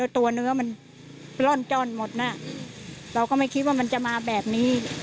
ตัวเนื้อมันร่อนจ้อนหมดน่ะเราก็ไม่คิดว่ามันจะมาแบบนี้